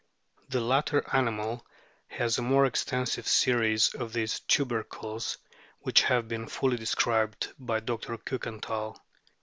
The latter animal has a more extensive series of these tuber cles, which have been fully described by Kiikenthal.